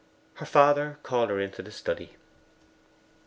Her father called her into the study.